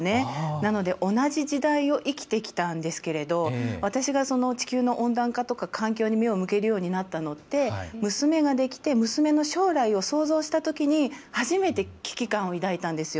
なので、同じ時代を生きてきたんですけど私が地球の温暖化とか環境に目を向けるようになったのって娘ができて娘の将来を想像したときに初めて危機感を抱いたんですよ。